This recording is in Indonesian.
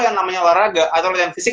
yang namanya olahraga atau latihan fisik